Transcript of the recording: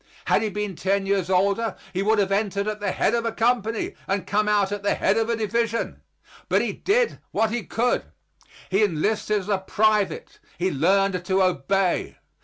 Had he been ten years older he would have entered at the head of a company and come out at the head of a division. But he did what he could. He enlisted as a private; he learned to obey.